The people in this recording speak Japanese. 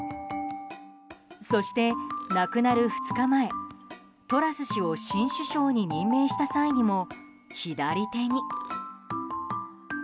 そして、亡くなる２日前トラス氏を新首相に任命した際にも左手に。